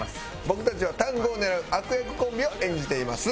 僕たちはタングを狙う悪役コンビを演じています。